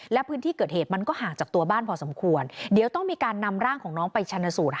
และพื้นที่เกิดเหตุมันก็ห่างจากตัวบ้านพอสมควรเดี๋ยวต้องมีการนำร่างของน้องไปชนสูตร